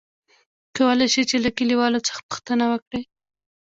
کولاى شې ،چې له کليوالو څخه پوښتنه وکړې ؟